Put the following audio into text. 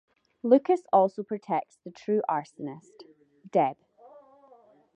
Lucas also protects the true arsonist: Deb.